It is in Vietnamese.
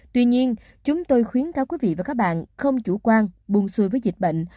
tuy nhiên chúng tôi khuyến cáo quý vị và các bạn không chủ quan buồn xuôi với dịch bệnh